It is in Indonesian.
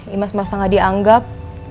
imas merasa gak dianggap